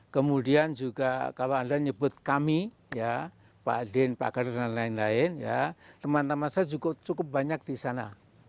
kemudian juga kalau anda nyebut kami ya pak adin pak gadir dan lain lain teman teman saya cukup banyak di sana